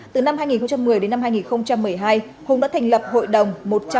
từ năm hai nghìn một mươi đến năm hai nghìn một mươi hai hùng đã thành lập hội đồng một trăm bốn mươi bảy